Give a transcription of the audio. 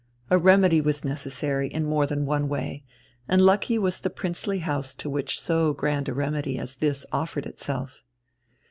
A remedy was necessary, in more than one way, and lucky was the princely house to which so grand a remedy as this offered itself.